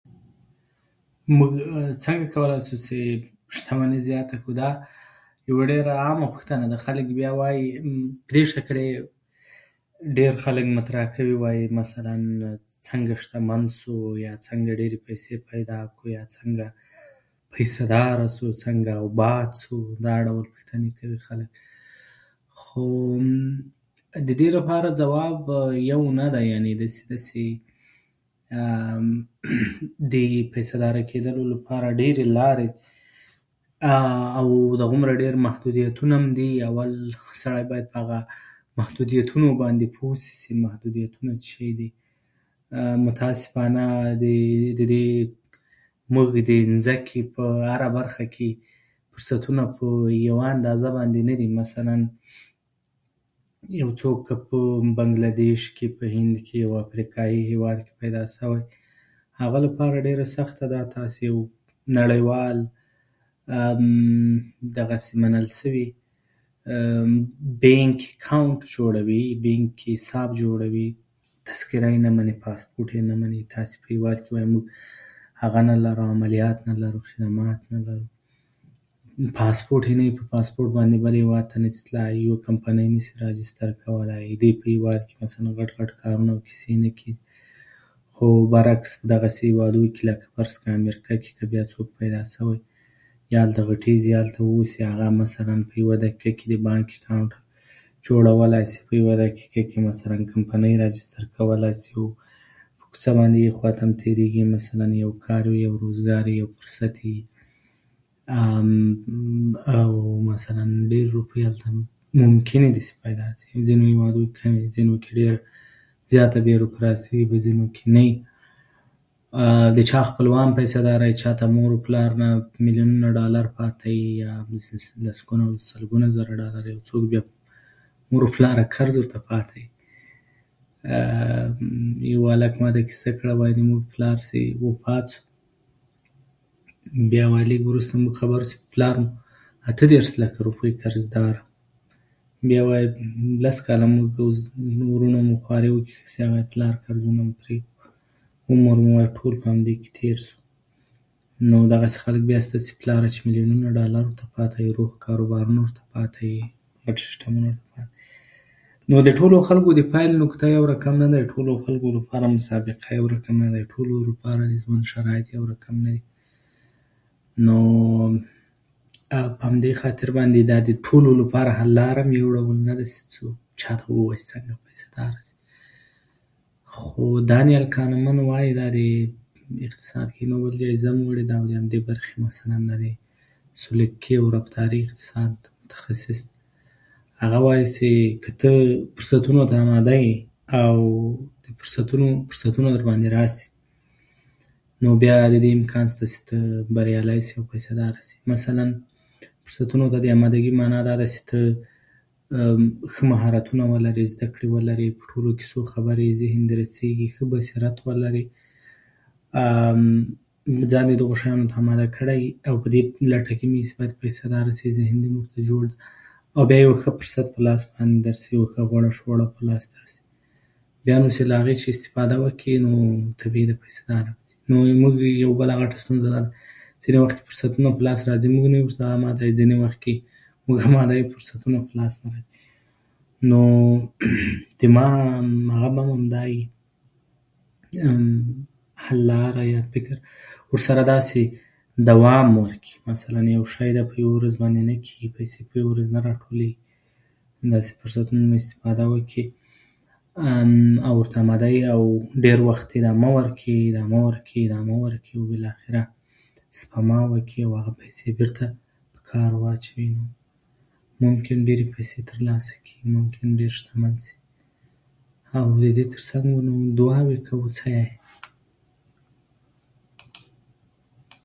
زه هره اوونۍ يو کتاب له کتابتون څخه پيرم